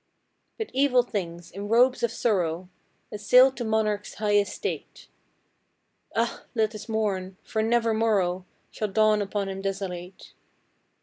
But evil things, in robes of sorrow, Assailed the monarch's high estate. (Ah, let us mourn! for never morrow Shall dawn upon him desolate